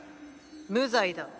無罪だ。